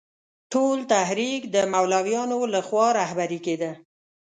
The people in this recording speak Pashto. ټول تحریک د مولویانو له خوا رهبري کېده.